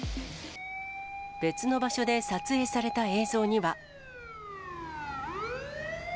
別の場所で撮影された映像には。